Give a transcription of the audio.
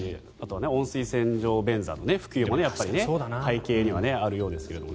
温水洗浄便座の普及も背景にはあるようですけれどもね。